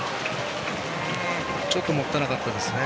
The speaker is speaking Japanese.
ちょっともったいなかったですね。